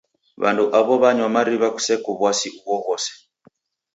W'andu aw'o w'anywa mariw'a kuseko w'asi ughoghose.